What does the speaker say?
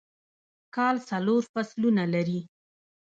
کال څلور فصلونه لري